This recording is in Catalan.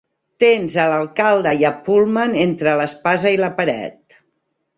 Tens a l'alcalde i a Pullman entre l'espasa i la paret.